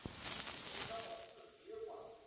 奥萨克人口变化图示